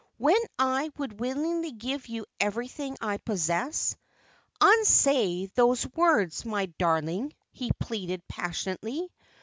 when I would willingly give you everything I possess! Unsay those words, my darling," he pleaded, passionately.